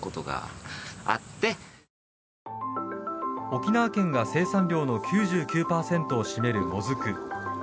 沖縄県が生産量の９９％を占めるモズク。